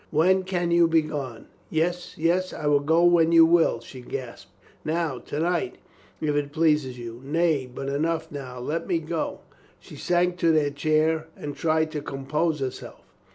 "When can you be gone?" "Yes, yes, I will go when you will," she gasped. "Now — ^to night, if it please you. Nay, but enough now. Let me go." She sank to a chair and tried to compose herself.